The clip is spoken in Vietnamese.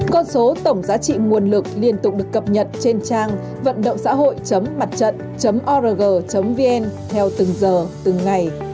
con số tổng giá trị nguồn lực liên tục được cập nhật trên trang vận độngxãhội mặttrận org vn theo từng giờ từng ngày